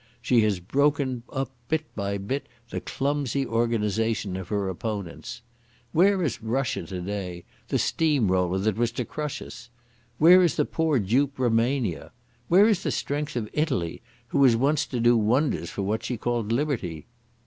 She has broken up bit by bit the clumsy organisation of her opponents. Where is Russia today, the steam roller that was to crush us? Where is the poor dupe Rumania? Where is the strength of Italy, who was once to do wonders for what she called Liberty?